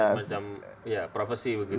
ada semacam profesi begitu